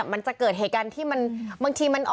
มันจะเกิดเหตุการณ์ที่มัน